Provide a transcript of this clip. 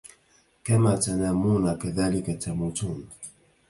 كَمَا تَنَامُونَ كَذَلِكَ تَمُوتُونَ